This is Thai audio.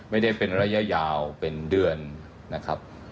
ไม่ได้เป็นระยะยาวเป็นเดือนนะครับ